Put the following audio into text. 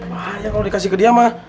bahaya kalau dikasih ke dia mah